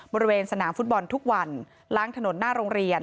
บริเวณสนามฟุตบอลทุกวันล้างถนนหน้าโรงเรียน